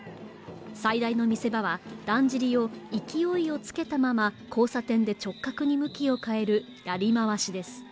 最大の見せ場はだんじりを勢いをつけたまま交差点で直角に向きを変えるやりまわしです